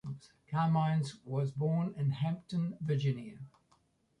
Carmines was born in Hampton, Virginia.